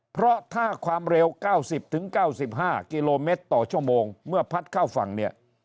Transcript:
เพราะถ้าความเร็ว๙๐๙๕กิโลเมตรต่อชั่วโมงเมื่อพัดเข้าฝั่งเนี่ย